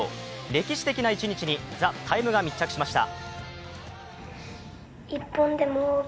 歴史的な一日に「ＴＨＥＴＩＭＥ，」が密着しました。